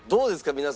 皆さん。